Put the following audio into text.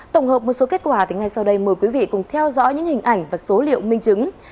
tổng hợp một số kết quả ngay sau đây mời quý vị cùng theo dõi những hình ảnh và số liệu minh chứng